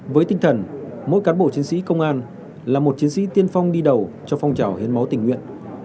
với tinh thần mỗi cán bộ chiến sĩ công an là một chiến sĩ tiên phong đi đầu cho phong trào hiến máu tình nguyện